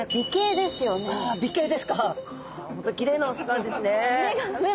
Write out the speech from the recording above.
きれいなお魚ですね！